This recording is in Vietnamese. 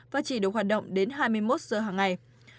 và chỉ được hoạt động đến hai mươi một giờ hàng ngày